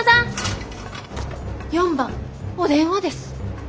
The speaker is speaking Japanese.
４番お電話です。